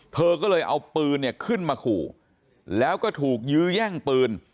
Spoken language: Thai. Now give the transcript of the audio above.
เธอก็เลยเอาปืนเนี่ยขึ้นมาขู่แล้วก็ถูกยื้อแย่งปืน